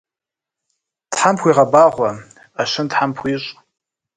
Тхьэм пхуигъэбагъуэ, ӏэщын тхьэм пхуищӏ.